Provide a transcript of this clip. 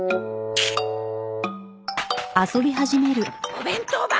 お弁当箱！